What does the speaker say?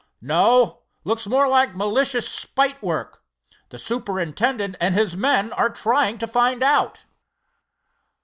"No, looks more like malicious spitework. The superintendent and his men are trying to find out."